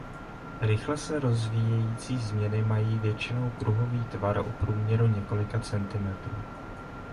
Rychle se rozvíjející změny mají většinou kruhový tvar o průměru několika centimetrů.